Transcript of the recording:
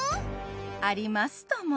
ありますとも。